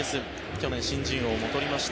去年、新人王も取りました。